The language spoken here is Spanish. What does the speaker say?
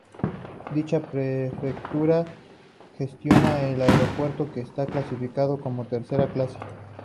Dicha prefectura gestiona el aeropuerto, que está clasificado como de tercera clase.